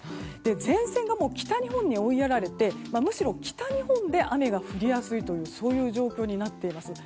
前線が北日本に追いやられてむしろ北日本で雨が降りやすい状況になっています。